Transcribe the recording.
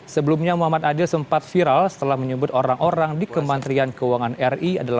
sebelumnya muhammad adil sempat viral setelah menyebut orang orang di kementerian keuangan ri